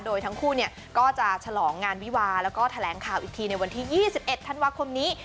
โดยทั้งคู่ก็จะฉลองงานวิวาแล้วก็แถลงข่าวอีกทีในวันที่๒๑ธันวาคมนี้